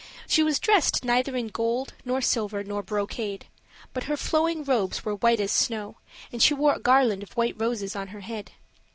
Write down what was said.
She was dressed neither in gold, nor silver, nor brocade; but her flowing robes were white as snow, and she wore a garland of white roses on her head.